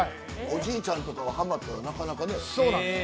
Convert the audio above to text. おじいちゃんとかハマったらなかなかね。